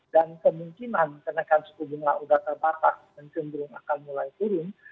dan kemungkinan kenaikan suku bunga sudah terbatas dan cenderung akan mulai turun